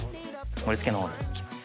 盛り付けの方にいきます。